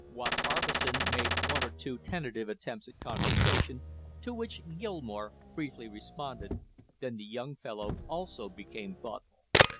Watt Harbison made one or two tentative attempts at conversation, to which Gilmore briefly responded, then the young fellow also became thoughtful.